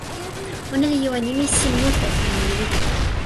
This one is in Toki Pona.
ona li jo e nimi sin mute anu nimi lili.